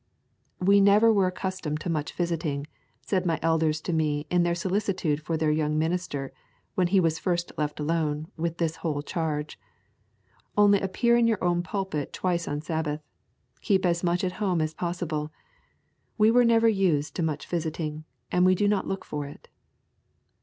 'We never were accustomed to much visiting,' said my elders to me in their solicitude for their young minister when he was first left alone with this whole charge; 'only appear in your own pulpit twice on Sabbath: keep as much at home as possible: we were never used to much visiting, and we do not look for it.'